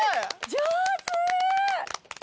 上手！